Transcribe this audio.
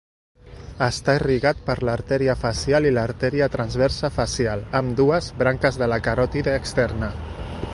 Està irrigat per l'artèria facial i l'artèria transversa facial, ambdues, branques de la caròtide externa.